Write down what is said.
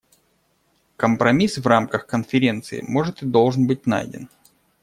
Компромисс в рамках Конференции может и должен быть найден.